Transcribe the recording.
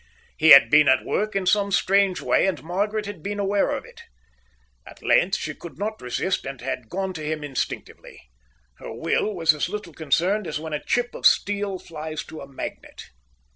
He had been at work in some strange way, and Margaret had been aware of it. At length she could not resist and had gone to him instinctively: her will was as little concerned as when a chip of steel flies to a magnet.